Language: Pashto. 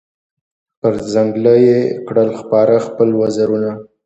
پر ځنګله یې کړل خپاره خپل وزرونه